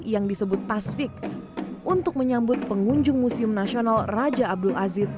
yang disebut tasfik untuk menyambut pengunjung museum nasional raja abdul aziz